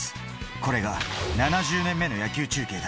これが７０年目の野球中継だ！